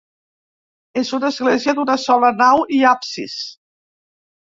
És una església d'una sola nau i absis.